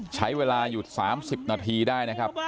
ใช้เวลาหยุด๓๐นาทีได้นะครับ